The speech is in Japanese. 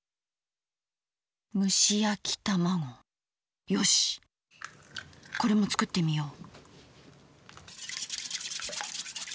むしやきたまごよしこれも作ってみよう。